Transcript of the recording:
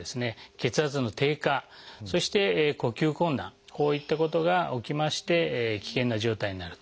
血圧の低下そして呼吸困難こういったことが起きまして危険な状態になると。